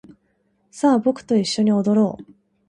さあ僕と一緒に踊ろう